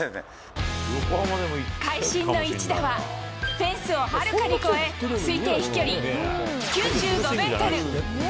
会心の一打は、フェンスをはるかに超え、推定飛距離９５メートル。